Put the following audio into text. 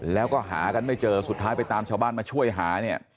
แล้วก็หากันไม่เจอสุดท้ายไปตามชาวบ้านมาช่วยหาเนี่ย